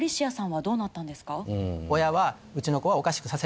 親は。